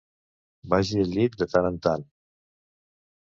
Vagi al llit de tant en tant.